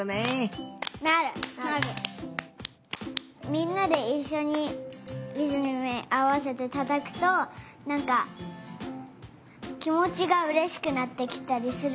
みんなでいっしょにリズムにあわせてたたくとなんかきもちがうれしくなってきたりする。